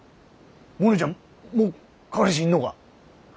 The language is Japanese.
モネちゃんもう彼氏いんのが？